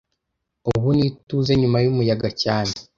Ubu ni ituze nyuma yumuyaga cyane